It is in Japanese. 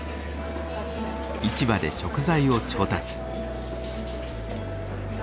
市場で食材を調達。